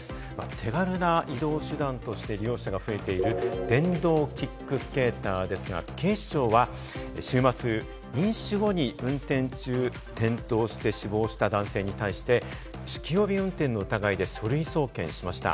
手軽な移動手段として利用者が増えている電動キックスケーターですが、警視庁は週末、飲酒後に運転中に転倒して、死亡した男性に対して酒気帯び運転の疑いで書類送検しました。